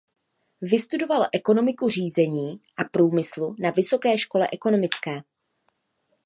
Vystudoval ekonomiku řízení a průmyslu na Vysoké škole ekonomické.